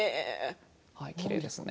きれいですね。